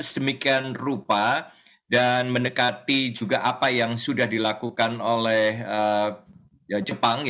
sedemikian rupa dan mendekati juga apa yang sudah dilakukan oleh jepang